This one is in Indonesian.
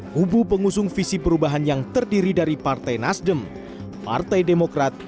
kubu pengusung visi perubahan yang terdiri dari partai nasdem partai demokrat